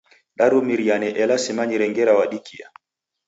Darumiriane ela simanyire ngera wadikia.